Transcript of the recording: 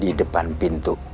di depan pintu